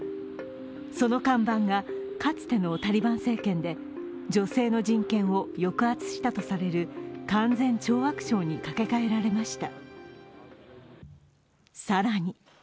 その看板がかつてのタリバン政権で女性の人権を抑圧したとされる勧善懲悪省に掛け替えられました。